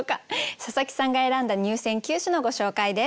佐佐木さんが選んだ入選九首のご紹介です。